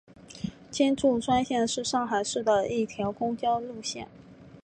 金祝专线是上海市的一条公交路线。